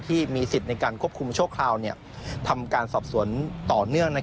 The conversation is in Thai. ที่มีสิทธิ์ในการควบคุมชั่วคราวทำการสอบสวนต่อเนื่อง